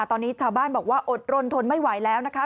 ตอนนี้ชาวบ้านบอกว่าอดรนทนไม่ไหวแล้วนะคะ